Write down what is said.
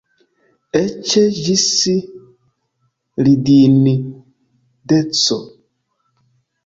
Eĉ ĝis ridindeco.